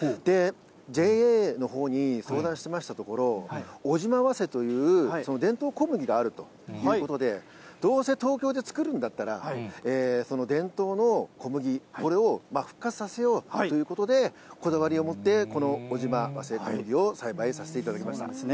ＪＡのほうに相談しましたところ、尾島早生という、伝統小麦があるということで、どうせ東京で作るんだったら、伝統の小麦、これを復活させようということで、こだわりを持って、この尾島早生小麦を栽培させていただきました。